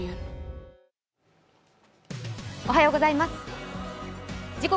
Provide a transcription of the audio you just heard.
おはようございます。